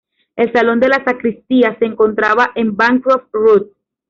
El salón de la sacristía se encontraba en Bancroft Road.